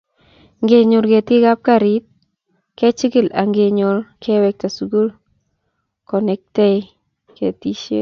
Ngenyor ketikab garit kechikil ako Ngenyor kewekta sukul konetkei ketisiet